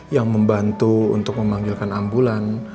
yang membantu untuk memanggilkan ambulan